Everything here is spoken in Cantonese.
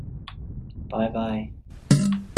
拜拜